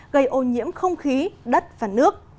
gây ô nhiễm không khí đất và nước